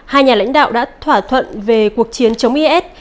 hai nhà lãnh đạo đã thỏa thuận về cuộc chiến chống is